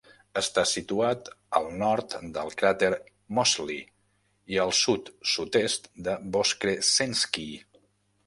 Està situat al nord del cràter Moseley i al sud sud-est de Voskresenskiy.